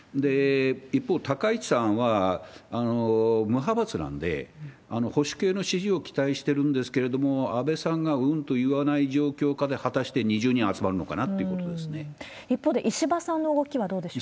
一方、高市さんは無派閥なんで、保守系の支持を期待しているんですけれども、安倍さんがうんと言わない状況下で、果たして２０人集まるのかな一方で、石破さんの動きはどうでしょうか？